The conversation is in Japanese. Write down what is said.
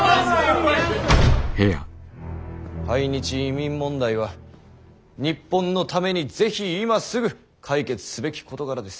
排日移民問題は日本のために是非今すぐ解決すべき事柄です。